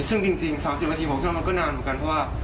ซึ่งจริง๓๐นาทีผมคิดว่ามันก็นานเหมือนกัน